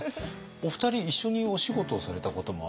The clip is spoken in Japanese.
お二人一緒にお仕事をされたこともある？